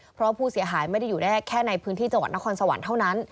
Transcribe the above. เพราะผู้เสียหายไม่ได้อยู่ได้แค่ในพื้นที่จังหวัดนครสวรรค์เท่านั้น